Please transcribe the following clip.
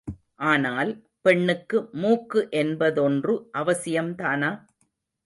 ஆனால், பெண்ணுக்கு மூக்கு என்பதொன்று அவசியம்தானா?